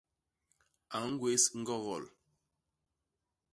A ñgwés ñgogol.